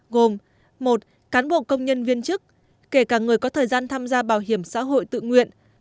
gồm một cán bộ công nhân viên chức kể cả người có thời gian tham gia bảo hiểm xã hội tự nguyện